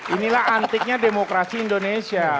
inilah antiknya demokrasi indonesia